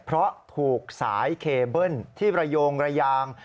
เพราะถูกสายเคเบิ้ลที่ระโยงระยาง